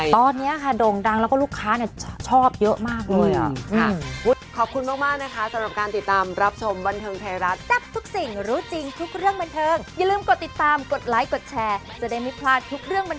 ตอนนี้ค่ะโด่งดังแล้วก็ลูกค้าชอบเยอะมากเลย